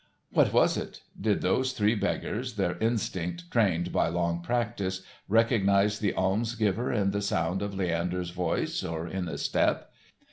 What was it? Did those three beggars, their instinct trained by long practice, recognise the alms giver in the sound of Leander's voice, or in the step.